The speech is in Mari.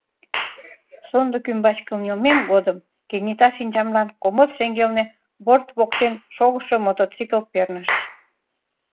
Сондык ӱмбач кынелмем годым кенета шинчамлан комод шеҥгелне, борт воктен, шогышо мотоцикл перныш.